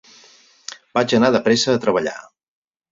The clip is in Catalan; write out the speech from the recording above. Vaig anar de presa a treballar.